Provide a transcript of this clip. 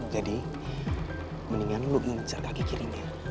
jadi mendingan lo yang ngejar kaki kirinya